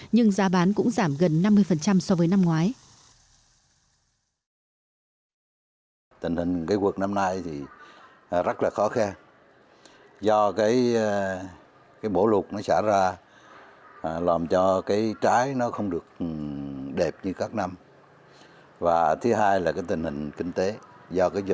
nhưng giá bán cũng giảm gần năm mươi so với năm ngoái